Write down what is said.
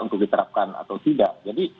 untuk diterapkan atau tidak jadi